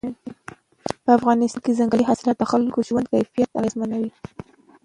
په افغانستان کې ځنګلي حاصلات د خلکو ژوند کیفیت اغېزمنوي.